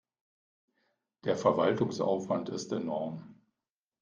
Der Verwaltungsaufwand ist enorm.